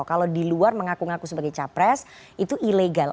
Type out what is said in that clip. kalau di luar mengaku ngaku sebagai capres itu ilegal